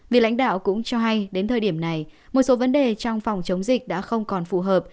vị lãnh đạo cũng cho hay đến thời điểm này một số vấn đề trong phòng chống dịch đã không còn phù hợp